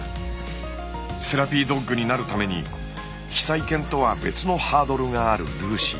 セラピードッグになるために被災犬とは別のハードルがあるルーシー。